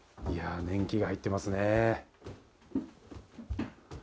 年季が入ってますね。